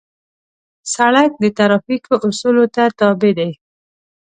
سړک د ترافیکو اصولو ته تابع دی.